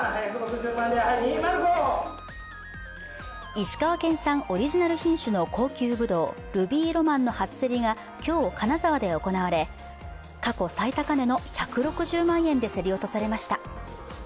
石川県産オリジナル品種の高級ぶどう、ルビーロマンの初競りが今日金沢で行われ、過去最高値の１６０万円で競り落とされました。